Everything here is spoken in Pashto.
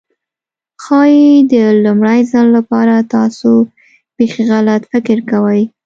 ښايي د لومړي ځل لپاره تاسو بيخي غلط فکر کوئ.